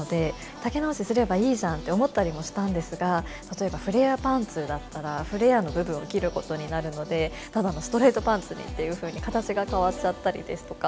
丈直しすればいいじゃんって思ったりもしたんですが例えばフレアパンツだったらフレアの部分を切ることになるのでただのストレートパンツにっていうふうに形が変わっちゃったりですとか。